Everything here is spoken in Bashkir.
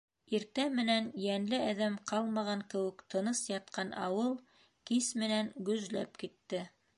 Иртә менән йәнле әҙәм ҡалмаған кеүек тыныс ятҡан ауыл кис менән гөжләп китте.